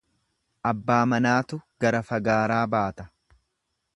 Abbaa manaatu gara fagaaraa baata.